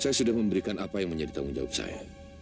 saya sudah memberikan apa yang menjadi tanggung jawab saya